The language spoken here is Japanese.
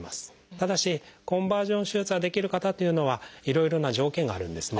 ただしコンバージョン手術ができる方というのはいろいろな条件があるんですね。